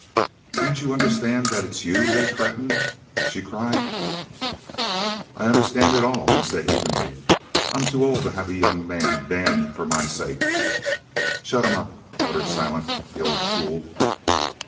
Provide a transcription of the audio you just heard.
"Can't you understand that it's you they threaten?" she cried. "I understan' it all," he said evenly. "I'm too old to have a young man damned for my sake." "Shut him up!" ordered Silent. "The old fool!"